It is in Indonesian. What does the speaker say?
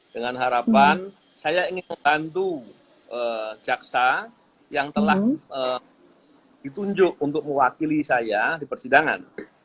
dengan harapan saya ingin membantu jaksa yang telah ditunjuk untuk mewakili saya di persidangan